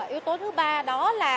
yếu tố thứ ba đó là